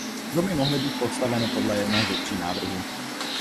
Domy mohly být postaveny podle jednoho ze tří návrhů.